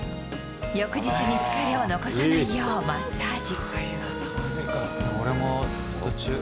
翌日に疲れを残さないようマッサージ。